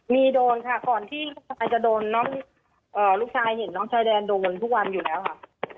มีโดนค่ะก่อนที่ลูกชายจะโดนน้องลูกชายเห็นน้องชายแดนโดนทุกวันอยู่แล้วค่ะ